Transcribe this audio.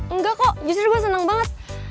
enggak kok justru gue senang banget